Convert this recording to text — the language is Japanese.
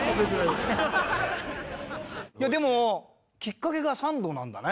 いやでもきっかけがサンドなんだね？